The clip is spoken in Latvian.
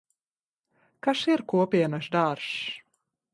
Kas ir kopienas dārzs?